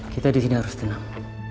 kita disini harus tenang